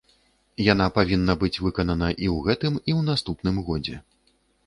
Яна павінна быць выканана і ў гэтым, і ў наступным годзе.